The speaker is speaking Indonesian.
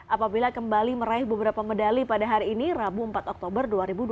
apabila kembali meraih beberapa medali pada hari ini rabu empat oktober dua ribu dua puluh